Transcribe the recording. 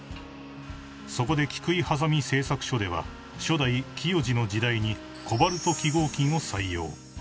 ［そこで菊井鋏製作所では初代喜代次の時代にコバルト基合金を採用］